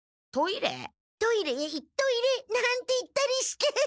「トイレへ行っといれ」なんて言ったりして。